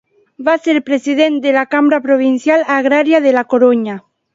Va ser president de la Cambra Provincial Agrària de la Corunya.